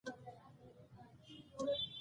موږ باید اصول ولرو.